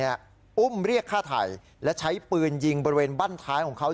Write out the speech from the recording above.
อุ้มเรียกฆ่าไทยและใช้ปืนยิงบริเวณบ้านท้ายของเขา